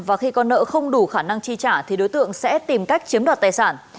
và khi con nợ không đủ khả năng chi trả thì đối tượng sẽ tìm cách chiếm đoạt tài sản